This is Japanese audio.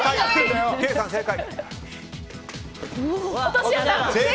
正解！